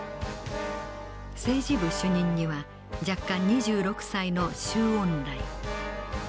政治部主任には弱冠２６歳の周恩来。